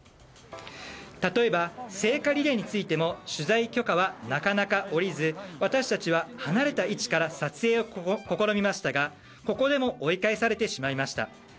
例えば、聖火リレーについても取材許可はなかなか下りず私たちは離れた位置から撮影を試みましたがここでも追い返されてしまいました。